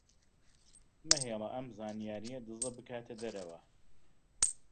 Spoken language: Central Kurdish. مەهێڵە ئەم زانیارییە دزە بکاتە دەرەوە.